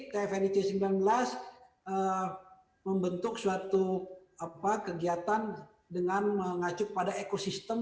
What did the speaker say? kfnic sembilan belas membentuk suatu kegiatan dengan mengacu pada ekosistem